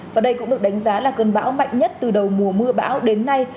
và đây cũng được đánh giá là cơn bão mạnh nhất từ đầu mùa mưa bão đến nay